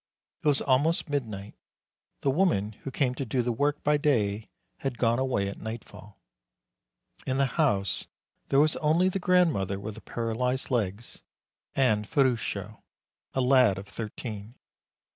It was almost midnight. The woman who came to do the work by day had gone away at nightfall. In the house there was only the grandmother with the paralyzed legs, and Ferruccio, a lad of thirteen.